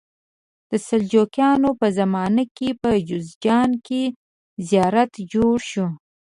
د سلجوقیانو په زمانه کې په جوزجان کې زیارت جوړ شو.